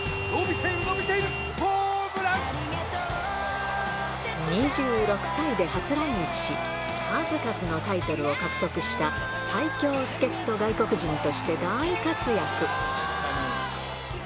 伸びている、２６歳で初来日し、数々のタイトルを獲得した最強助っ人外国人として大活躍。